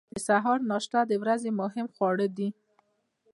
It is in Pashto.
د سهار ناشته د ورځې مهم خواړه دي.